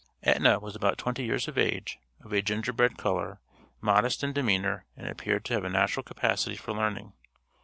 Etna was about twenty years of age, of a "ginger bread" color, modest in demeanor, and appeared to have a natural capacity for learning.